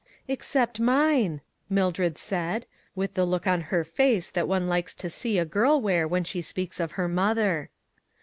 "Except mine," Mildred said, with the look on her face that one likes to see a girl wear when she speaks of her mother.